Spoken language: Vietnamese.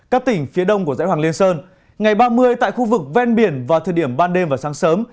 các tỉnh phía đông của dãy hoàng liên sơn ngày ba mươi tại khu vực ven biển vào thời điểm ban đêm và sáng sớm